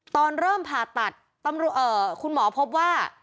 ตอนเริ่มผ่าตัดคุณหมอพบว่า